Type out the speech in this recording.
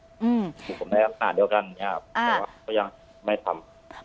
อืมขู่ผมได้ต่างเดียวกันเนี้ยครับอ่าแต่ว่าเขายังไม่ทำ